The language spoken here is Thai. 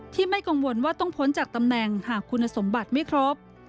ไม่กังวลว่าต้องพ้นจากตำแหน่งหากคุณสมบัติไม่ครบ